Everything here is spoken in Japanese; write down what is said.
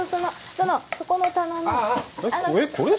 そのそこの棚のあこれ？